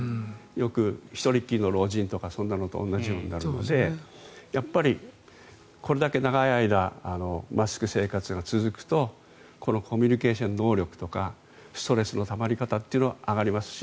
よく１人きりの老人とかとそんなのと同じようなことになるのでこれだけ長い間マスク生活が続くとこのコミュニケーション能力とかストレスは上がりますし